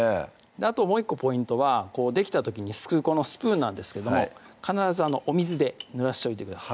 あともう１個ポイントはできた時にすくうこのスプーンなんですけども必ずお水でぬらしておいてください